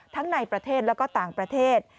ทั้งในประเทศแล้วก็ต่างประเทศ